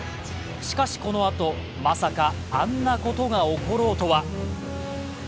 しかしこのあと、まさかあんなことが起ころうとは。